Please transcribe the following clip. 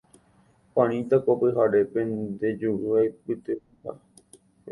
Juanita ko pyharépe nde juru aipytemíta